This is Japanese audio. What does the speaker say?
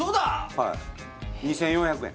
はい２４００円